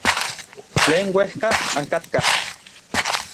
Tlen uejka ankatkaj.